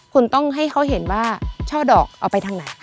คุณต้องให้เขาเห็นว่าช่อดอกเอาไปทางไหน